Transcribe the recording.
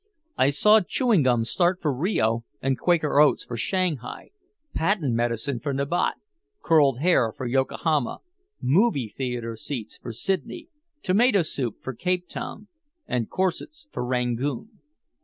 I saw chewing gum start for Rio and Quaker Oats for Shanghai, patent medicine for Nabat, curled hair for Yokohama, "movy" theater seats for Sydney, tomato soup for Cape Town and corsets for Rangoon.